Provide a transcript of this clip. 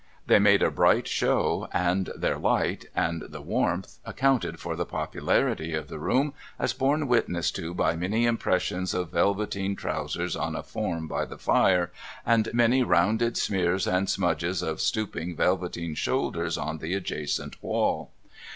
They made a bright show, and their light, and the warmth, accounted for the popularity of the room, as borne witness to by many impressions of velveteen trousers on a form by the fire, and many rounded smears and smudges of stooping velveteen shoulders on the adjacent wall.